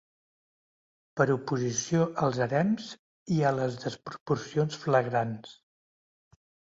Per oposició als harems i a les desproporcions flagrants..